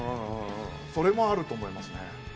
それもあると思いますね。